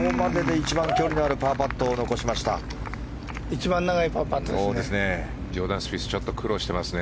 一番長いパーパットですね。